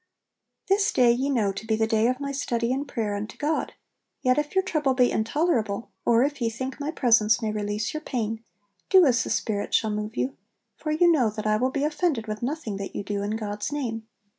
'This day ye know to be the day of my study and prayer unto God; yet if your trouble be intolerable, or if ye think my presence may release your pain, do as the Spirit shall move you, for you know that I will be offended with nothing that you do in God's name.